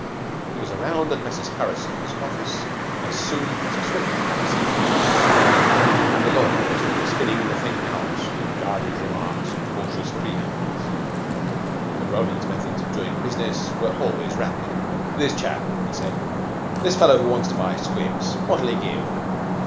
He was around at Messrs. Harrison's office as soon as a swift taxi could take him there. The lawyers were for spinning the thing out with guarded remarks and cautious preambles, but Roland's methods of doing business were always rapid. "This chap," he said, "this fellow who wants to buy 'Squibs,' what'll he give?"